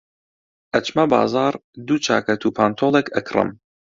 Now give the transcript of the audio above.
ئەچمە بازاڕ دوو چاکەت و پانتۆڵێک ئەکڕم.